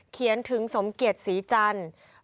เขียนถึงสมเกียรติศรีจันทร์